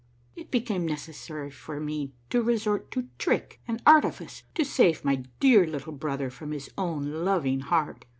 It became necessary for me to resort to trick and artifice to save my dear little brother from his own loving heart.